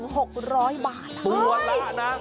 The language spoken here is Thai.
ตัวละนะ